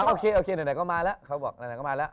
โอเคเรื่องหน่าก็มาละเขาบอกเรื่องหน่าก็มาละ